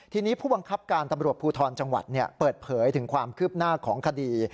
ทีนี้ผู้บังคับการตำรวจภูทรจังหวัดเปิดเผยถึงความคืบหน้าของคดี